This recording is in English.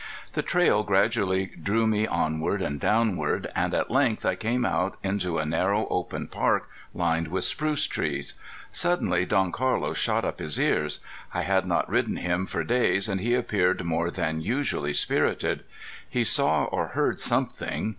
The trail gradually drew me onward and downward, and at length I came out into a narrow open park lined by spruce trees. Suddenly Don Carlos shot up his ears. I had not ridden him for days and he appeared more than usually spirited. He saw or heard something.